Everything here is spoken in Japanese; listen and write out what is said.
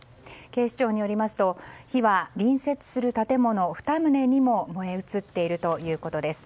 警視庁によりますと火は隣接する建物２棟にも燃え移っているということです。